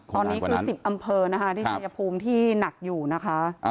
ตอนนี้คือ๑๐อำเภอนะคะที่ชายภูมิที่หนักอยู่นะคะ